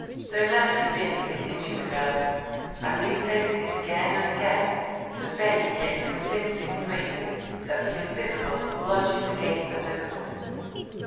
"So never give in," continued the girl, and restated again and again the vague yet convincing plea that the Invisible lodges against the Visible.